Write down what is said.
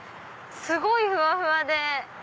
すごいふわふわで。